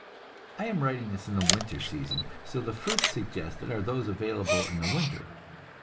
I am writing in the winter season, so the fruits suggested are those available in winter.